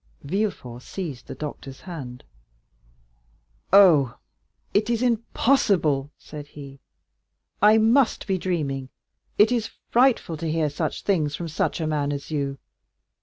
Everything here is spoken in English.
Villefort seized the doctor's hand. "Oh, it is impossible," said he, "I must be dreaming! It is frightful to hear such things from such a man as you!